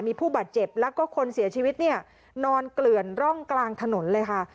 มีผู้บาดเจ็บแล้วก็คนเสียชีวิตเนี่ยนอนเกลื่อนร่องกลางถนนเลยค่ะ